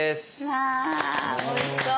わおいしそう。